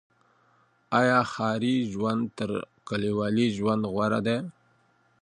آيا ښاري ژوند تر کليوالي ژوند غوره دی؟